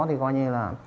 thì gọi như là